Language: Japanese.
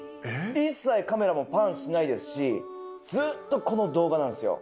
一切カメラもパンしないですしずっとこの動画なんですよ。